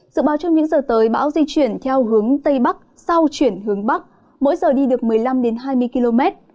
dự báo trong những giờ tới bão di chuyển theo hướng tây bắc sau chuyển hướng bắc mỗi giờ đi được một mươi năm hai mươi km